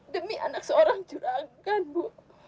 demi anak seorang juragan bu